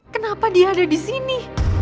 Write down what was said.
kenapa dia ada di sini